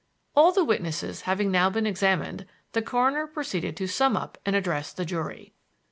All the witnesses having now been examined, the coroner proceeded to sum up and address the jury.